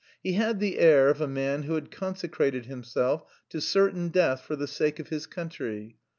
He had the air of a man who had consecrated himself to certain death for the sake of his country.